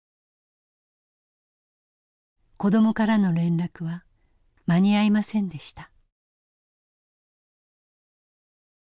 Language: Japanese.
子どもからの連絡は間に合いませんでした。